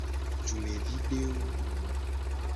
Dumevidewo.